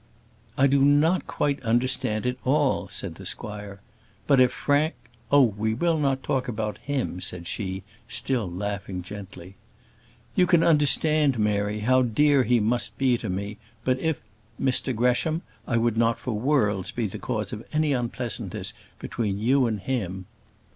"I do not quite understand it all," said the squire; "but if Frank " "Oh! we will not talk about him," said she, still laughing gently. "You can understand, Mary, how dear he must be to me; but if " "Mr Gresham, I would not for worlds be the cause of any unpleasantness between you and him."